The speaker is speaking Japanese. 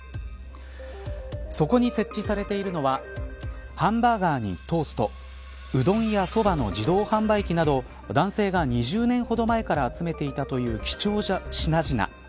そこに設置されているのはハンバーガーにトーストうどんやそばの自動販売機など男性が２０年ほど前から集めていたという貴重な品々。